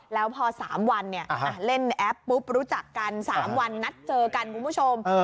แล้วพอ๓วันเล่นแอปปุ๊บรู้จักกัน๓วันนัดเจอกันคุณผู้ชม